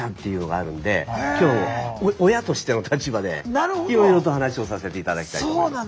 今日親としての立場でいろいろと話をさせて頂きたいと思います。